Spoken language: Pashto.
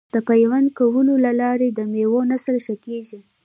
د پیوند کولو له لارې د میوو نسل ښه کیږي.